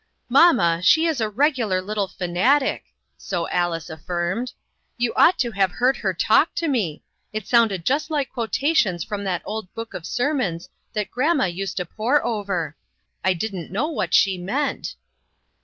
" Mamma, she is a regular little fanatic," so Alice affirmed. " You ought to have heard her talk to me ! It sounded just like quotations from that old book of sermons A "FANATIC." 161 that grandma used to pore over. I didn't know what she meant."